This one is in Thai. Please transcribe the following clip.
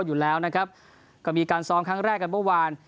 อยู่แล้วนะครับก็มีการซ้อมครั้งแรกกันเมื่อวาน